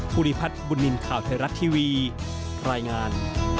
ภูริพัฒน์บุญนินทร์ข่าวไทยรัฐทีวีรายงาน